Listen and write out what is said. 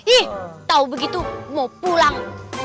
ih tahu begitu mau pulang